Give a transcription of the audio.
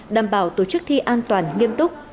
đảm bảo tổ chức thi an toàn nghiêm túc